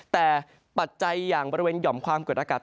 ในภาคฝั่งอันดามันนะครับ